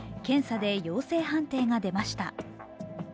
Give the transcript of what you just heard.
検査で陽性判定が出ました。